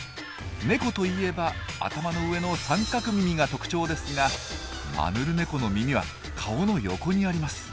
ネコといえば頭の上の三角耳が特徴ですがマヌルネコの耳は顔の横にあります。